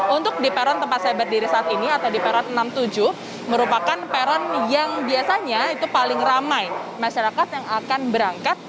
untuk di peron tempat saya berdiri saat ini atau di peron enam puluh tujuh merupakan peron yang biasanya itu paling ramai masyarakat yang akan berangkat